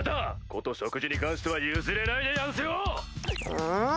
こと食事に関しては譲れないでやんすよ！